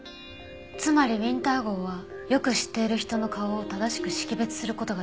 つまりウィンター号はよく知っている人の顔を正しく識別する事ができるの。